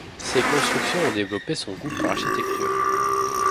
Ces constructions ont développé son goût pour l'architecture.